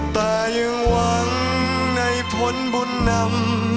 แต่ยังหวังในผลบุญนำ